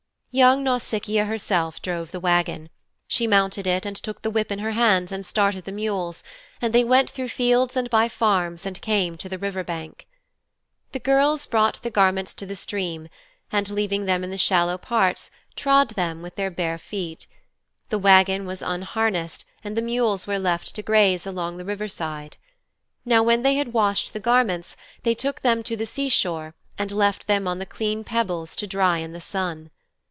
Young Nausicaa herself drove the wagon. She mounted it and took the whip in her hands and started the mules, and they went through fields and by farms and came to the river bank. The girls brought the garments to the stream, and leaving them in the shallow parts trod them with their bare feet. The wagon was unharnessed and the mules were left to graze along the river side. Now when they had washed the garments they took them to the sea shore and left them on the clean pebbles to dry in the sun.